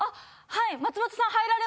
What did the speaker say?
はい。